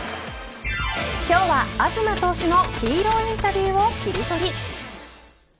今日は東投手のヒーローインタビューをキリトリ。